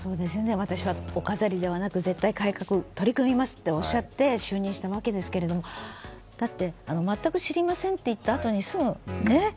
私はお飾りではなく絶対改革、取り組みますとおっしゃって就任したわけですけれどもだって全く知りませんと言ったあとすぐにね。